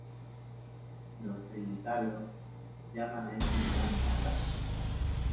Los trinitarios llaman a este lugar "La Bray.